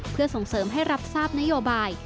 เพื่อส่งเสริมให้รับทราบนโยบาย